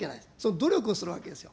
努力するわけですよ。